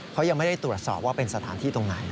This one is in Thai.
เขายังไม่ได้ตรวจสอบว่าเป็นสถานที่ตรงไหน